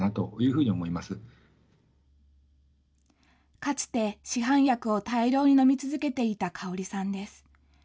かつて市販薬を大量に飲み続けていたかおりさんです。